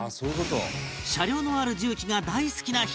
車両のある重機が大好きな枇乃樹君